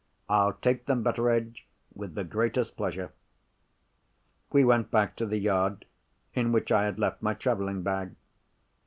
"I'll take them, Betteredge, with the greatest pleasure." We went back to the yard, in which I had left my travelling bag.